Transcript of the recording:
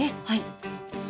はい。